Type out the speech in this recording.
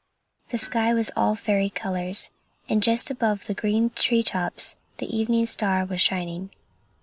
The sky was all fairy colors, and just above the green tree tops the evening star was shining.